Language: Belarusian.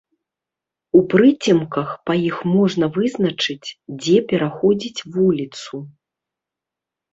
У прыцемках па іх можна вызначыць, дзе пераходзіць вуліцу.